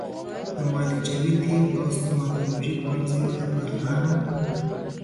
د معالجوي طب او ستوماتولوژي پوهنځیو د فارغانو